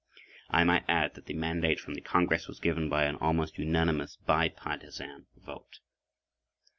I might add that the mandate from the Congress was given by an almost unanimous bipartisan vote.